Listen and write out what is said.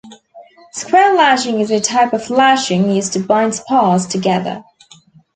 Square lashing is a type of lashing used to bind spars together.